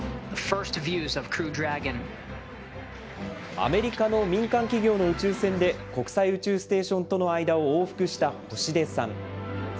アメリカの民間企業の宇宙船で国際宇宙ステーションとの間を往復した星出さん。